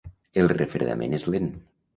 El refredament és lent.